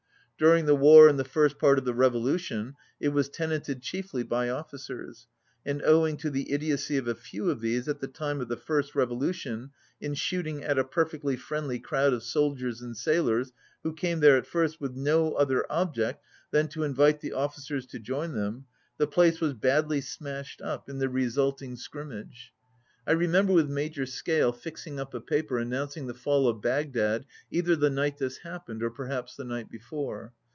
During the war and the first part of the revolution it was tenanted chiefly by officers, and owing to the idiocy of a few of these at the time of the first revolution in shooting at a perfectly friendly crowd of soldiers and sailors, who came there at first with no other object than to invite the officers to join them, the place was badly smashed up in the resulting scrimp 9 mage. I remember with Major Scale fixing up a paper announcing the fall of Bagdad either the night this happened or perhaps the night before.